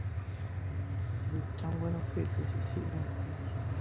witangwa no kwiga ccna